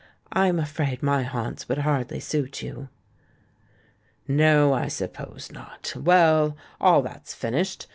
"I'm afraid my haunts would hardly suit you." "No, I suppose not. Well, all that's finished.